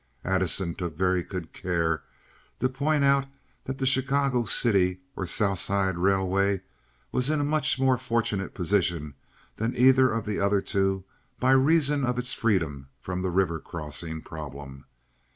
Addison took very good care to point out that the Chicago City or South Side Railway was in a much more fortunate position than either of the other two by reason of its freedom from the river crossing problem.